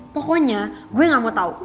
pokoknya gue gak mau tahu